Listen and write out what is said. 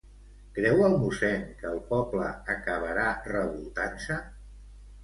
Creu el mossèn que el poble acabarà revoltant-se?